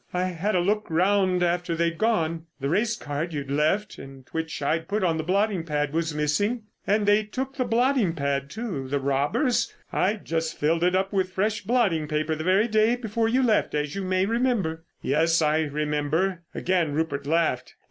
I had a look round after they'd gone. The race card you'd left and which I'd put on the blotting pad was missing; and they took the blotting pad, too, the robbers. I'd just filled it up with fresh blotting paper the very day before you left, as you may remember." "Yes, I remember." Again Rupert laughed.